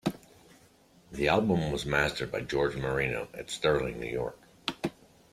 The album was mastered by George Marino at Sterling Sound in New York.